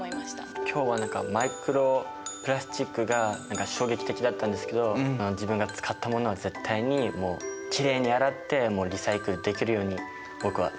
今日はマイクロプラスチックが何か衝撃的だったんですけど自分が使ったものは絶対にもうきれいに洗ってリサイクルできるように僕は絶対します。